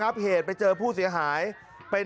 นักเรียงมัธยมจะกลับบ้าน